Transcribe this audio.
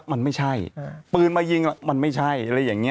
มันไม่ใช่ปืนมายิงมันไม่ใช่อะไรอย่างนี้